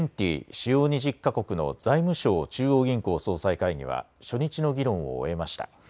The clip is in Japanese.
主要２０か国の財務相・中央銀行総裁会議は初日の議論を終えました。